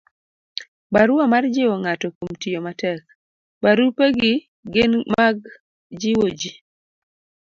barua mar jiwo ng'ato kuom tiyo matek. barupegi gin mag jiwo ji